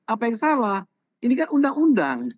apa yang salah ini kan undang undang